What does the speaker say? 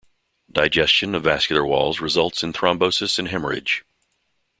Digestion of vascular walls results in thrombosis and hemorrhage.